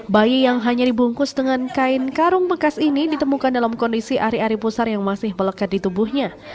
bayi yang hanya dibungkus dengan kain karung bekas ini ditemukan dalam kondisi ari ari pusar yang masih melekat di tubuhnya